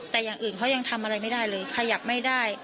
แต่อย่างอื่นเขายังทำอะไรไม่ได้เลยขยับไม่ได้